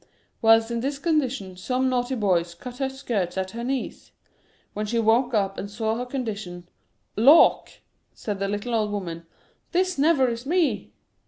Whilst in this condition some naughty boys cut her skirts at her knees. When she woke up and saw her condition, " Lawk !" said the little old woman, " this never is me